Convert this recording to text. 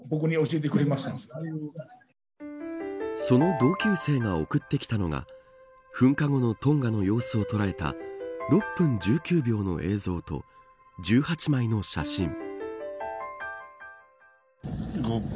その同級生が送ってきたのは噴火後のトンガの様子を捉えた６分１９秒の映像と１８枚の写真。